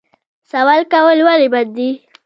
سوال کول ولې بد دي؟